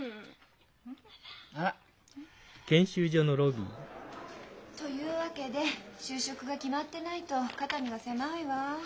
あら。というわけで就職が決まってないと肩身が狭いわ。